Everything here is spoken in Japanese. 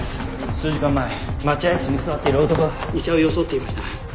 数時間前待合室に座っている男が医者を装っていました。